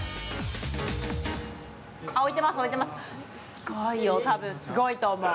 すごいよ、多分すごいと思う。